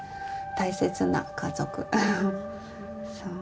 大切な家族そう。